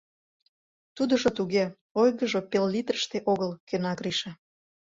— Тудыжо туге, ойгыжо пеллитрыште огыл, — кӧна Гриша.